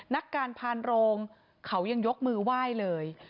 นักการพานโรงเขายังยกมือไหว้เลย